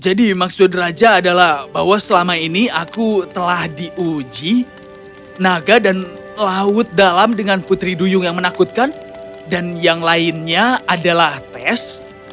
jadi maksud raja adalah bahwa selama ini aku telah diuji naga dan laut dalam dengan putri duyung yang menakutkan dan yang lainnya adalah tes